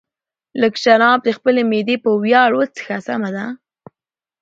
لږ شراب د خپلې معدې په ویاړ وڅښه، سمه ده.